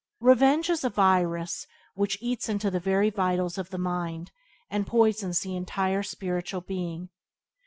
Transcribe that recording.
Revenge is a virus which eats into the very vitals of the mind, and poisons the entire spiritual being.